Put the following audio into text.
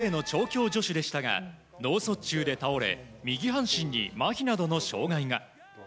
元ＪＲＡの調教助手でしたが脳卒中で倒れ右半身にまひなどの障害が。